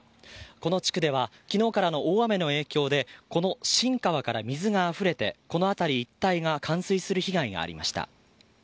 この地区では昨日からの大雨の影響でこの新川から水があふれてこの辺り一帯が冠水する被害がありました。